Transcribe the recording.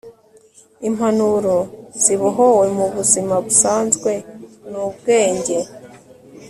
impanuro zibohewe mu buzima busanzwe ni ubwenge